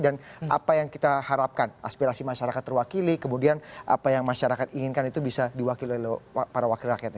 dan apa yang kita harapkan aspirasi masyarakat terwakili kemudian apa yang masyarakat inginkan itu bisa diwakili oleh para wakil rakyat